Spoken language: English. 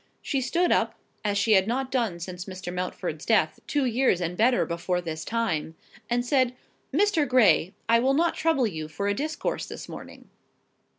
She stood up, as she had not done since Mr. Mountford's death, two years and better before this time, and said— "Mr. Gray, I will not trouble you for a discourse this morning."